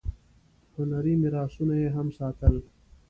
هنري میراثونه یې هم ساتل.